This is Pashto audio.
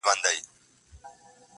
چي يو ځل بيا څوک په واه ،واه سي راته.